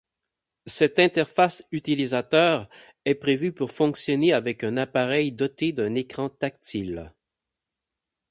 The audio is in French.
Cette interface utilisateur est prévue pour fonctionner avec un appareil doté d'un écran tactile.